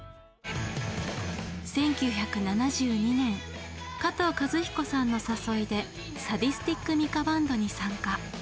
１９７２年加藤和彦さんの誘いでサディスティック・ミカ・バンドに参加。